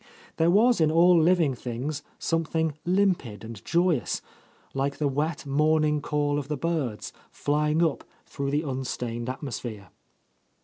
There was in all living things something limpid and joyous — ^like the wet, morning call of the birds, —84 . A Lost Lady flying up through the unstained atmosphere.